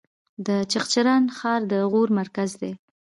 د چغچران ښار د غور مرکز دی